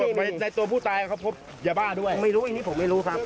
ในตัวผู้ตายเขาพบยาบ้าด้วยไม่รู้อันนี้ผมไม่รู้ครับ